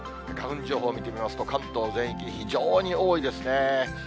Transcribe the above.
花粉情報見てみますと、関東全域、非常に多いですね。